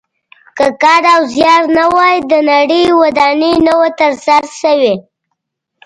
که کار او زیار نه وای د نړۍ ودانۍ نه وه تر سره شوې.